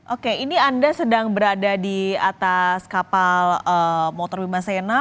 oke ini anda sedang berada di atas kapal motor wimasena